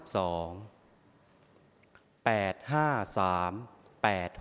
ออกรางวัลที่๖